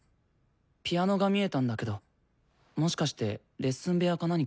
ピアノが見えたんだけどもしかしてレッスン部屋か何か？